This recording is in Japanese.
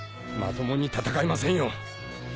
まともに戦えませんよ！